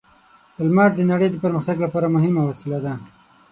لمر د نړۍ د پرمختګ لپاره مهمه وسیله ده.